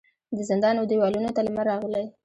د زندان و دیوالونو ته لمر راغلی